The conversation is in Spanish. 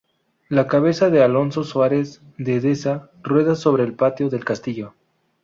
La cabeza de Alonso Suárez de Deza rueda sobre el patio del castillo.